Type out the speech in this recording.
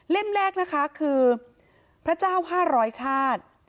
เล่มแรกนะคะคือพระเจ้าห้าร้อยชาติ